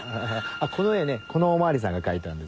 この絵ねこのお巡りさんが描いたんですよ。